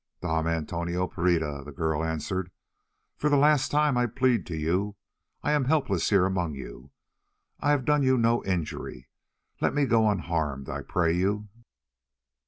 "Dom Antonio Pereira," the girl answered, "for the last time I plead to you. I am helpless here among you, and I have done you no injury: let me go unharmed, I pray of you."